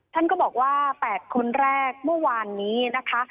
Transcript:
ท่านก็บอกว่า๘คนแรกเมื่อวานนี้นะคะ